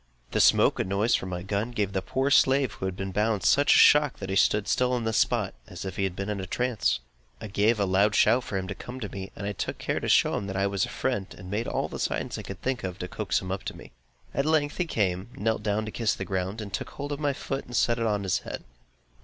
The smoke and noise from my gun, gave the poor slave who had been bound, such a shock, that he stood still on the spot, as if he had been in a trance. I gave a loud shout for him to come to me, and I took care to show him that I was a friend, and made all the signs I could think of to coax him up to me. At length he came, knelt down to kiss the ground, and then took hold of my foot, and set it on his head.